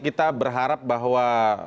kita berharap bahwa